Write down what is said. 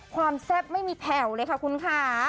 แซ่บไม่มีแผ่วเลยค่ะคุณค่ะ